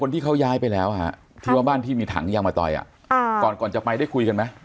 ที่บ้านที่มีถังยามาต่อยอ่ะอ่าก่อนก่อนจะไปได้คุยกันไหม